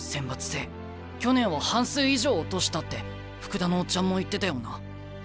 去年は半数以上落としたって福田のオッチャンも言ってたよな。